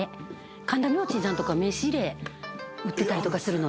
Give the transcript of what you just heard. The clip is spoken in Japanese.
神田明神さんとか名刺入れ売ってたりするのね。